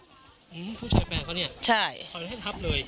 ผู้ชายแม่คนนี้